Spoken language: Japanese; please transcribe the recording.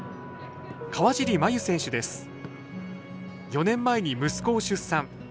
４年前に息子を出産。